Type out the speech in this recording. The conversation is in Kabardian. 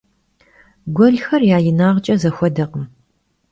Guelxer ya yinağç'e zexuedekhım.